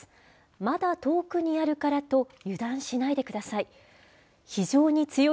まだ遠くにあるからと油断しないでください。